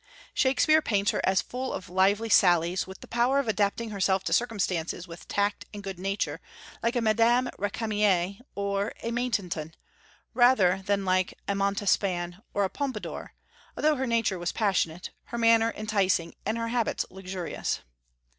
Shakspeare paints her as full of lively sallies, with the power of adapting herself to circumstances with tact and good nature, like a Madame Récamier or a Maintenon, rather than like a Montespan or a Pompadour, although her nature was passionate, her manner enticing, and her habits luxurious.